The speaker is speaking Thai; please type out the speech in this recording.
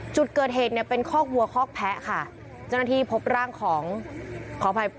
จุดเกิดเหตุเนี่ยเป็นคอกวัวคอกแพ้ค่ะเจ้าหน้าที่พบร่างของขออภัย